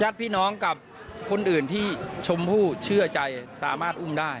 พี่น้องกับคนอื่นที่ชมพู่เชื่อใจสามารถอุ้มได้